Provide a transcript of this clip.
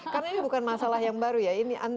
karena ini bukan masalah yang baru ya